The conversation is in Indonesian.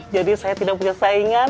jadi saya tidak punya saingan